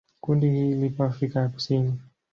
Kundi hili lipo Afrika ya Kusini.